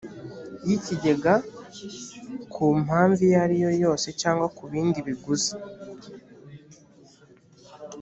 y ikigega ku mpamvu iyo ari yo yose cyangwa ku bindi biguzi